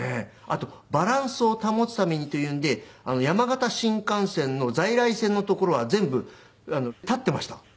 あとバランスを保つためにというので山形新幹線の在来線の所は全部立っていました。